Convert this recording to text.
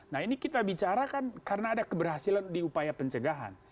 nah ini kita bicara kan karena ada keberhasilan di upaya pencegahan